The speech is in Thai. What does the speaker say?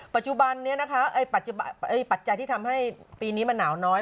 ปัจจุบันนี้นะคะปัจจัยที่ทำให้ปีนี้มันหนาวน้อย